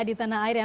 di tanah air ya